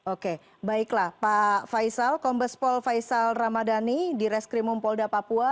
oke baiklah pak faisal kombespol faisal ramadhani di reskrimumpolda papua